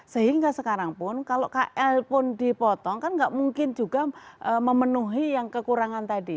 sehingga sekarang pun kalau kl pun dipotong kan nggak mungkin juga memenuhi yang kekurangan tadi